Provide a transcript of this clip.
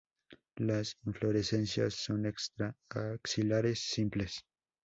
Las inflorescencias son extra-axilares, simples.